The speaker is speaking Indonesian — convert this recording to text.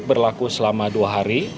berlaku selama dua hari